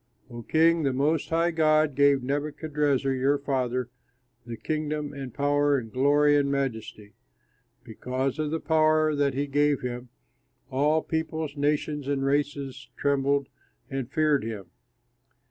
O king, the Most High God gave Nebuchadrezzar, your father, the kingdom and power, glory and majesty. Because of the power that he gave him, all peoples, nations, and races trembled and feared him.